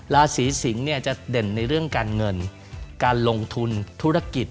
ราศีสิงศ์เนี่ยจะเด่นในเรื่องการเงินการลงทุนธุรกิจ